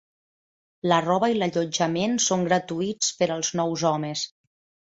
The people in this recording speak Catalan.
La roba i l'allotjament són gratuïts per als nous homes.